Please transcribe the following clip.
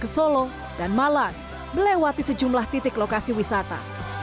ke solo dan malang melewati sejumlah titik lokasi wisata